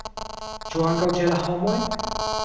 Ĉu ankaŭ ĉe la homoj?